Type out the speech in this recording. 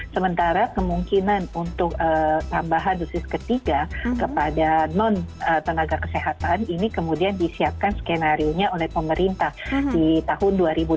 sementara kemungkinan untuk tambahan dosis ketiga kepada non tenaga kesehatan ini kemudian disiapkan skenario nya oleh pemerintah di tahun dua ribu dua puluh